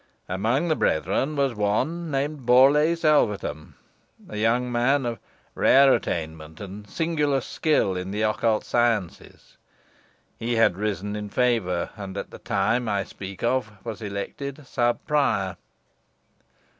Among the brethren was one named Borlace Alvetham, a young man of rare attainment, and singular skill in the occult sciences. He had risen in favour, and at the time I speak of was elected sub prior."